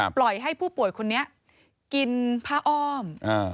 ปล่อยให้ผู้ป่วยคนนี้กินผ้าอ้อม